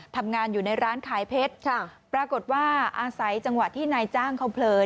ทำงานอยู่ในร้านขายเพชรปรากฏว่าอาศัยจังหวะที่นายจ้างเขาเผลอ